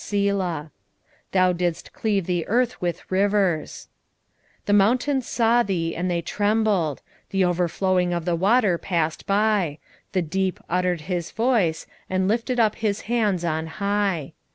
Selah. Thou didst cleave the earth with rivers. 3:10 The mountains saw thee, and they trembled: the overflowing of the water passed by: the deep uttered his voice, and lifted up his hands on high.